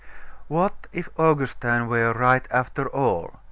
What if Augustine were right after all?